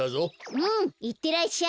うんいってらっしゃい。